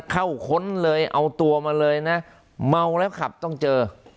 ค้นเลยเอาตัวมาเลยนะเมาแล้วขับต้องเจอ